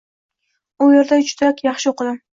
U yerda juda yaxshi oʻqidim.